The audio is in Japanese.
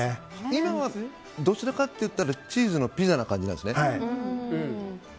今はどちらかというとチーズのピザな感じなんですね。